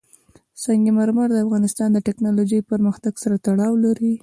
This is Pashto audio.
سنگ مرمر د افغانستان د تکنالوژۍ پرمختګ سره تړاو لري.